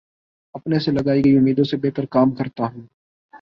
اپنے سے لگائی گئی امیدوں سے بہترکام کرتا ہوں